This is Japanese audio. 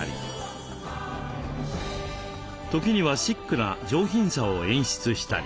時にはシックな上品さを演出したり。